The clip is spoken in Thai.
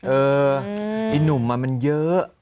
เออไอ้หนุ่มมันเยอะ